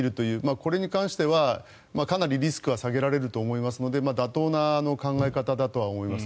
これに関しては、かなりリスクは下げられると思いますので妥当な考え方だとは思います。